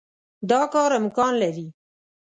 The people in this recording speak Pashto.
دا کار امکان لري.